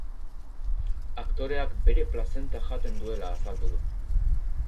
Aktoreak bere plazenta jaten duela azaldu du.